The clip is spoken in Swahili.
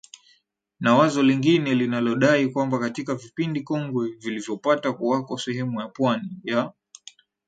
na wazo lingine linalodai kwamba katika vipindi kongwe vilivyopata kuwako sehemu za Pwani ya